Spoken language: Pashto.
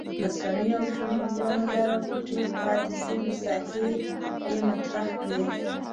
رسنیو او شنونکو له نظره پټې پاتې شوې ساحې یې مطرح کړې.